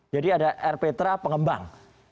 jadi ada air petra pengembang